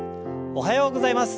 おはようございます。